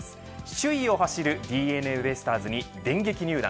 首位を走るＤｅＮＡベイスターズに電撃入団。